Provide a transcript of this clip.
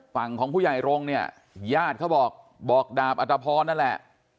ฝั่งของผู้ใหญ่รงค์เนี่ยญาติเขาบอกบอกดาบอัตภพรนั่นแหละ